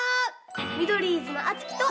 ミドリーズのあつきと。